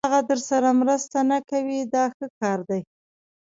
هغه درسره مرسته نه کوي دا ښه کار دی.